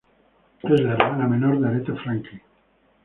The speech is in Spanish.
Era la hermana menor de Aretha Franklin.